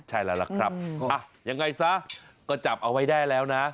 ใช่ละละครับอ้าอยังไงซ่าก็จับเอาไว้ได้แล้วนะ